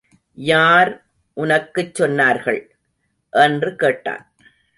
யார் உனக்குச் சொன்னார்கள்? என்று கேட்டான்.